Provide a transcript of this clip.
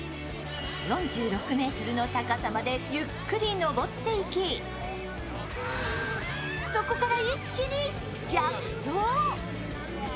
４６ｍの高さまでゆっくり上っていきそこから一気に逆走。